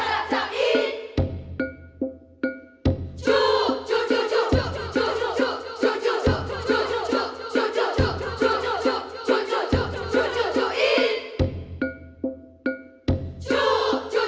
piam piam sepiam dek